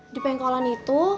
di pengkolan itu